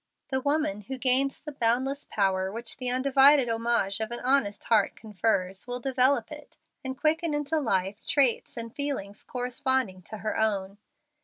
The woman who gains the boundless power which the undivided homage of an honest heart confers will develop in it, and quicken into life, traits and feelings corresponding to her own.